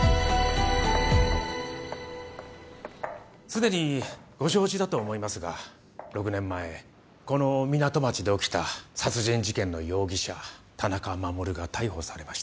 すでにご承知だと思いますが６年前この港町で起きた殺人事件の容疑者田中守が逮捕されました。